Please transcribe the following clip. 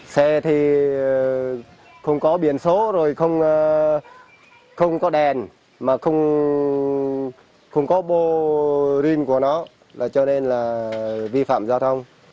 xe thì không có biển số không có đèn không có bô rin của nó cho nên là vi phạm giao thông